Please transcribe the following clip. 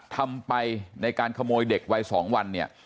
ทำไปในการขโมยเด็กวัย๒วันเนี่ย